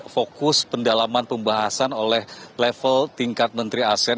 fokus pendalaman pembahasan oleh level tingkat menteri asean